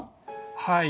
はい。